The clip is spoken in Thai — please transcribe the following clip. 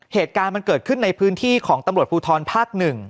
เหตุการณ์มันเกิดขึ้นในพื้นที่ของตำรวจภูทรภาค๑